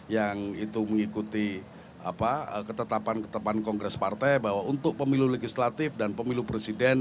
yang itu mengikuti ketetapan ketetapan kongres partai bahwa untuk pemilu legislatif dan pemilu presiden